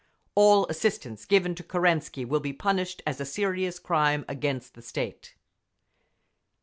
"All assistance given to Kerensky will be punished as a serious crime against the state."